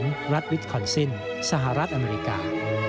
รัฐวิทคอนซินสหรัฐอเมริกา